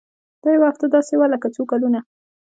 دا يوه هفته داسې وه لکه څو کلونه.